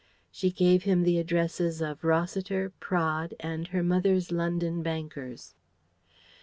She gave him the addresses of Rossiter, Praed, and her mother's London bankers.